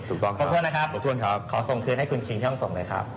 ถูกต้องครับขอบคุณนะครับขอส่งคืนให้คุณคิงย่อมส่งเลยครับ